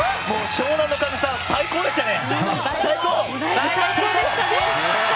湘南乃風さん、最高でしたね。